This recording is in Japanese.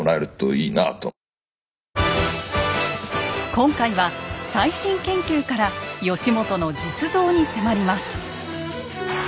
今回は最新研究から義元の実像に迫ります。